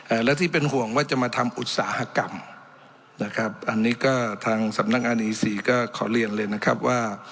และที่เป็นห่วงว่าจะมาทำอุตสาหกรรมนะครับอันนี้ก็ทางสำนักงานอีซีก็ขอเรียนเลยนะครับว่า